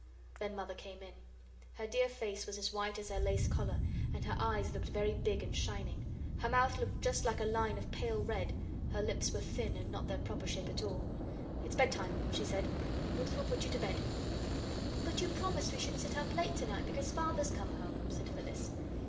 Then Mother came in. Her dear face was as white as her lace collar, and her eyes looked very big and shining. Her mouth looked like just a line of pale red her lips were thin and not their proper shape at all. "It's bedtime," she said. "Ruth will put you to bed." "But you promised we should sit up late tonight because Father's come home," said Phyllis.